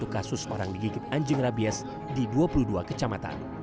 satu kasus orang digigit anjing rabies di dua puluh dua kecamatan